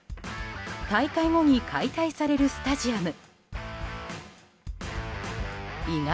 大会後に解体されるスタジアム。